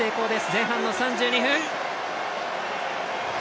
前半の３２分！